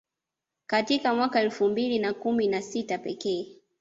Katika mwaka elfu mbili na kumi na sita pekee